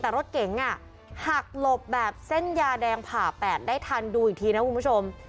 แต่รถเก๋งหักหลบแบบเส้นยาแดงผ่า๘ได้ทันดูอีกทีนะคุณผู้ชม